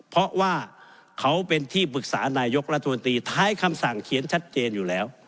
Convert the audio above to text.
เพราะว่าเขาเป็นที่ปรึกษานายกรัฐมนตรีท้ายคำสั่งเขียนชัดเจนอยู่แล้ว